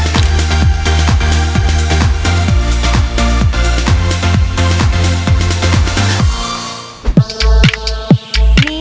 กระดูกเม็ดนึงเป็นสีเขียว